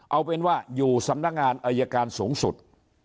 เอาเป็นว่าอยู่สำนักงานอายการสูงสุด